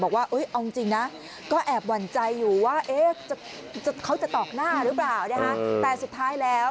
ว่าเอาจริงนะก็แอบหวั่นใจอยู่ว่าเขาจะตอกหน้าหรือเปล่านะคะแต่สุดท้ายแล้ว